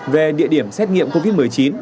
về địa điểm xét nghiệm covid một mươi chín